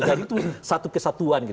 jadi itu satu kesatuan